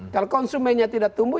kalau konsumennya tidak tumbuh